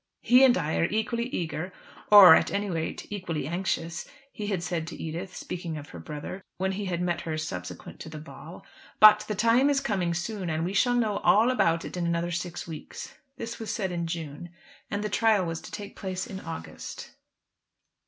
"He and I are equally eager, or at any rate equally anxious;" he had said to Edith, speaking of her brother, when he had met her subsequent to the ball. "But the time is coming soon, and we shall know all about it in another six weeks." This was said in June, and the trial was to take place in August.